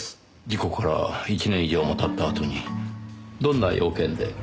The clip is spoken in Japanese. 事故から１年以上も経ったあとにどんな用件で？